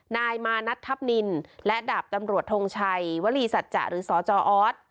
นายมานัททัพนินและดาบตำรวจทงชัยวลีสัจจะหรือสจออส